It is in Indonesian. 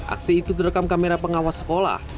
aksi itu terekam kamera pengawas sekolah